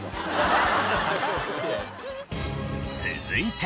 続いて。